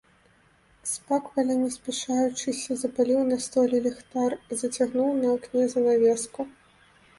Спакваля, не спяшаючыся, запаліў на столі ліхтар, зацягнуў на акне занавеску.